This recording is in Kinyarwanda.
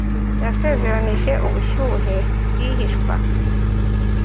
yasezeranije ubushyuhe bwihishwa